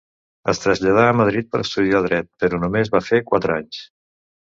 Es traslladà a Madrid per estudiar dret, però només va fer quatre anys.